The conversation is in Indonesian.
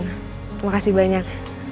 terima kasih banyak